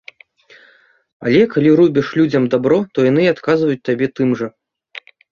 Але калі робіш людзям дабро, то яны і адказваюць табе тым жа.